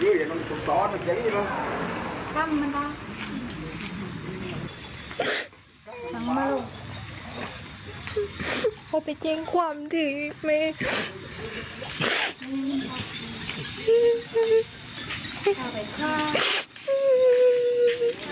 คุณผู้ชมไปดูคลิปต้นเรื่องกันกันก่อนค่ะ